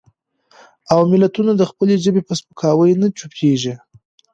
او ملتونه د خپلې ژبې په سپکاوي نه چوپېږي.